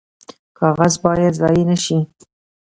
کاغذ باید ضایع نشي